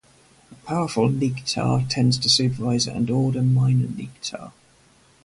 A powerful "neak ta" tends to supervise and order minor "neak ta".